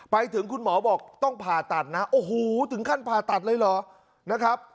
ไปถึงคุณหมอบอกต้องผ่าตัดนะโอ้โหถึงขั้นผ่าตัดเลยเหรอนะครับ